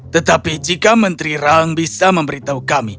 tetapi jika menteri rang bisa memberitahukan